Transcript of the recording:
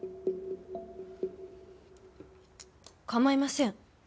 構いません。